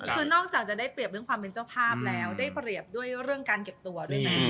คือนอกจากจะได้เปรียบเรื่องความเป็นเจ้าภาพแล้วได้เปรียบด้วยเรื่องการเก็บตัวด้วยนะ